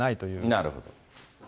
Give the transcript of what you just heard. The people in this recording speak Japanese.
なるほど。